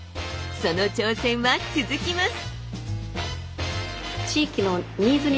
その挑戦は続きます。